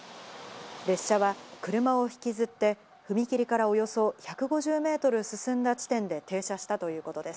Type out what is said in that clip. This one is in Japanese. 列車は車を引きずって、踏切からおよそ１５０メートル進んだ地点で停車したということです。